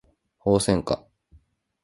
ホウセンカ